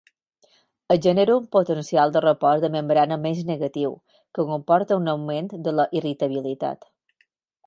Es genera un potencial de repòs de membrana menys negatiu, que comporta un augment de la irritabilitat.